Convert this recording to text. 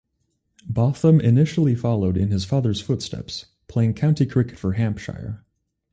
Botham initially followed in his father's footsteps, playing county cricket for Hampshire.